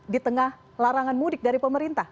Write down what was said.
di tengah larangan mudik dari pemerintah